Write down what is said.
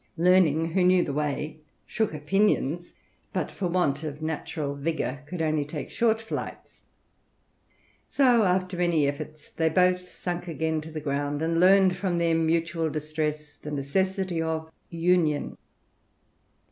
Learning, who knew the way, shook her pinions ; but for want of natural vigour could only take short flights : so, after many efforts, they both sunk again to the ground, and learned, from their mutual distress, the necessity of union.